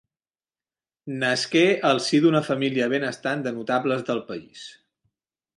Nasqué al si d'una família benestant de notables del país.